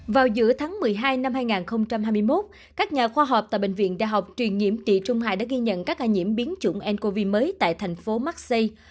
vào giữa tháng một mươi hai năm hai nghìn hai mươi một các nhà khoa học tại bệnh viện đa học truyền nhiễm tị trung hải đã ghi nhận các ca nhiễm biến chủng ncov mới tại thành phố maxi